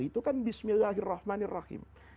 itu kan bismillahirrahmanirrahim